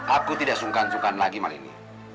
aku tidak sungkan sungkan lagi malini